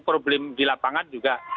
problem di lapangan juga